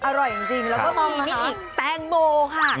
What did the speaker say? อร่อยจริงแล้วก็มีนี่อีกแตงโมค่ะ